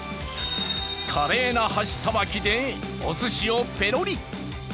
華麗な箸さばきでおすしをペロリ！